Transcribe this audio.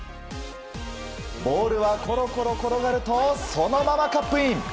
ボールはコロコロ転がるとそのままカップイン。